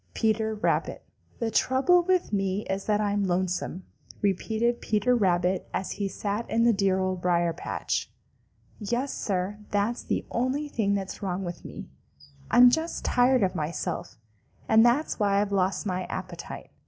Peter Rabbit. "The trouble with me is that I'm lonesome," repeated Peter Rabbit as he sat in the dear Old Briar patch. "Yes, Sir, that's the only thing that's wrong with me. I'm just tired of myself, and that's why I've lost my appetite.